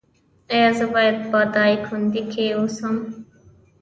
ایا زه باید په دایکندی کې اوسم؟